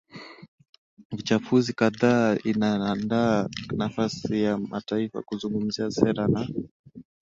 vichafuzi kadhaa Inaandaa nafasi ya mataifa kuzungumzia sera na